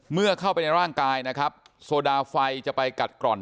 เมื่อเข้าไปในร่างกายนะครับโซดาไฟจะไปกัดกร่อน